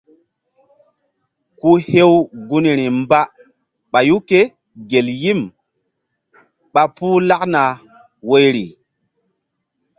Ku hew gunri mba ɓayu kégel yim ɓa puh kaɓna woyri.